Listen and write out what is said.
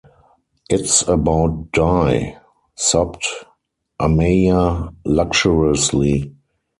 “It’s about Di,” sobbed Amaya luxuriously.